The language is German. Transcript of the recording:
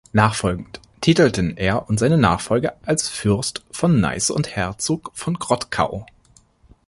Nachfolgend titelten er und seine Nachfolger als „Fürst von Neisse und Herzog von Grottkau“.